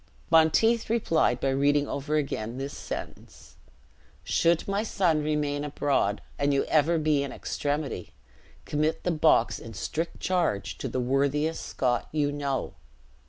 Monteith replied by reading over again this sentence "'Should my son remain abroad, and you ever be in extremity, commit the box in strict charge to the worthiest Scot you know.'